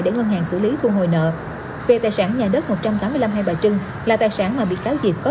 để ngân hàng xử lý thu hồi nợ về tài sản nhà đất một trăm tám mươi năm hai bà trưng là tài sản mà bị cáo diệp có